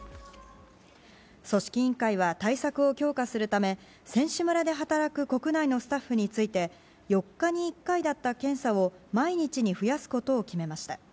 組織委員会は対策を強化するため選手村で働く国内のスタッフについて４日に１回だった検査を毎日に増やすことを決めました。